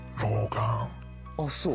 あぁそう。